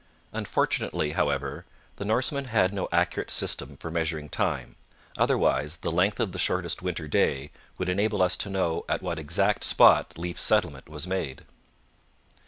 Unfortunately, however, the Norsemen had no accurate system for measuring time; otherwise the length of the shortest winter day would enable us to know at what exact spot Leif's settlement was made.